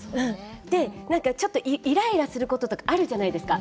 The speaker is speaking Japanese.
なんかちょっとイライラすることとかあるじゃないですか。